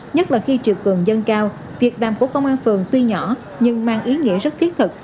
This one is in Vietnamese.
nhất là khi triều cương dân cao việc đàm của công an phường tuy nhỏ nhưng mang ý nghĩa rất thiết thực